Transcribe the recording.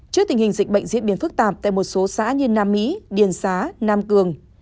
trước tình hình dịch bệnh diễn biến phức tạp tại một số xã như nam mỹ điền xá nam cường